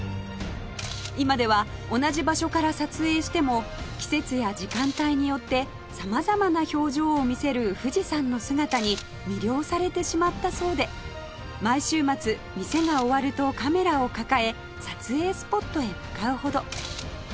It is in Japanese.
今では同じ場所から撮影しても季節や時間帯によって様々な表情を見せる富士山の姿に魅了されてしまったそうで毎週末店が終わるとカメラを抱え撮影スポットへ向かうほど